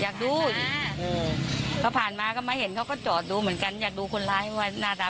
คือส่วนหนึ่งเจ้าหน้าที่ก็ไม่ได้ว่าจะปกป้องอะไรผู้ต้องหาที่ก่อเหตุในคดีต่างนะฮะ